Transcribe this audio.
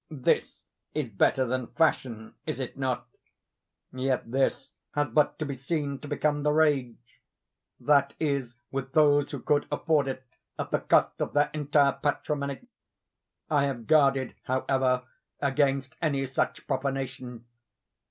This is better than fashion—is it not? Yet this has but to be seen to become the rage—that is, with those who could afford it at the cost of their entire patrimony. I have guarded, however, against any such profanation.